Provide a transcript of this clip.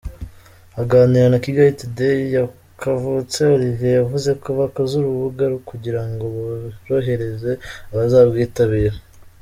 Aganira na Kigali Today, Kavutse Olivier yavuze ko bakoze urubuga kugira ngo borohereze abazabwitabira.